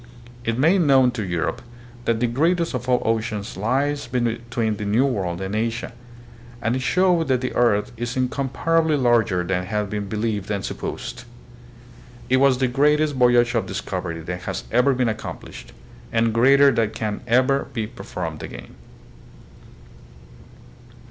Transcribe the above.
It made known to Europe that the greatest of all oceans lies between the New World and Asia, and it showed that the earth is in comparably larger than had been believed and supposed. It was the greatest voyage of discovery that has ever been accomplished, and greater than can ever be per formed again.